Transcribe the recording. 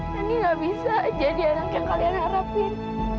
nanti gak bisa jadi anak yang kalian harapin